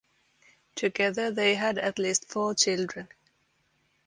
Together they had at least four children.